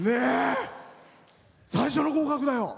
最初の合格だよ！